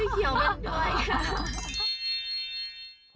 ไฟเขียวยังด้วย